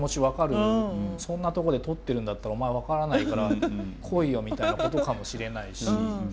そんなとこで撮ってるんだったらお前分からないから来いよ」みたいなことかもしれないし。